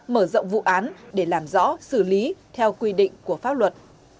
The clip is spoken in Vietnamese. mở rộng vụ án để làm rõ xử lý theo quy định của pháp luật